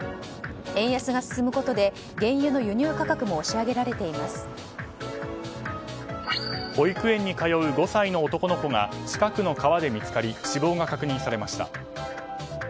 円安が進むことで原油の輸入価格も保育園に通う５歳の男の子が近くの川で見つかり死亡が確認されました。